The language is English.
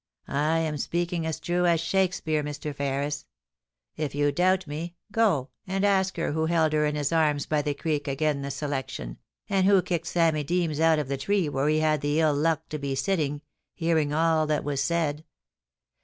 I am speaking as true as Shakespeare, Mr. Ferris. If you doubt me, go and ask her who held her in his arms by the creek agen the selection, and who kicked Sammy Deans out of the tree where he had the ill luck to be sitting, hearing all that was said